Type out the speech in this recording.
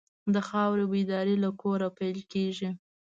د خاورې بیداري له کوره پیل کېږي.